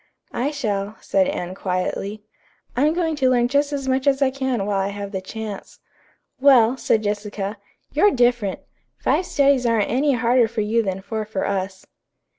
"I shall," said Anne quietly. "I'm going to learn just as much as I can while I have the chance." "Well," said Jessica, "you're different. Five studies aren't any harder for you than four for us."